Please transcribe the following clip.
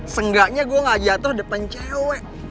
seenggaknya gue gak jatuh depan cewek